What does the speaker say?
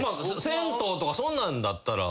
銭湯とかそんなんだったら。